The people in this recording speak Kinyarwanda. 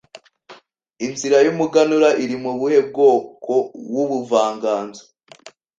Inzira y’umuganura iri mu buhe bwoko w’ubuvanganzo